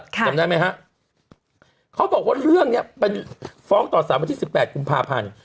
จำได้ไหมฮะเขาบอกว่าเรื่องเนี้ยเป็นฟ้องต่อสารวันที่๑๘กุมภาพันธ์